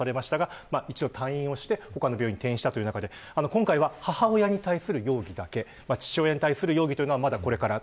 今回は母親に対する容疑だけで父親に対する容疑はまだこれから。